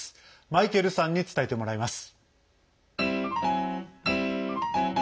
マイケルさんに伝えてもらいます。